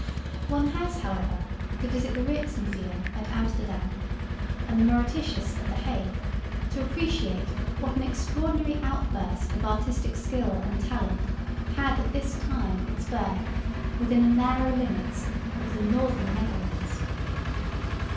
One has, however, to visit the Rijks Museum at Amsterdam and the Mauritshuis at the Hague to appreciate what an extraordinary outburst of artistic skill and talent had at this time its birth within the narrow limits of the northern Netherlands.